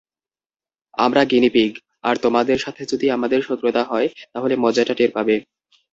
আমরা গিনিপিগ আর তোমাদের সাথে যদি আমাদের শত্রুতা হয়, তাহলে মজাটা টের পাবে।